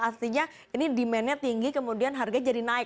artinya ini demand nya tinggi kemudian harga jadi naik